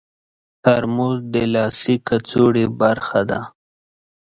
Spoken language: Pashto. ترموز د لاسي کڅوړې برخه ده.